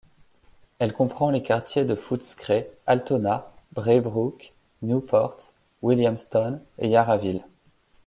Elle comprend les quartiers de Footscray, Altona, Braybrook, Newport, Williamstown et Yarraville.